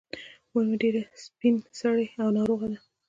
مور مې ډېره سبین سرې او ناروغه ده.